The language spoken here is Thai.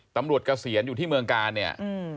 เกษียณอยู่ที่เมืองกาลเนี่ย